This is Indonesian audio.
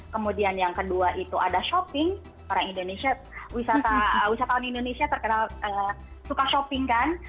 kemudian yang kedua itu ada shopping orang indonesia wisatawan indonesia terkenal suka shopping kan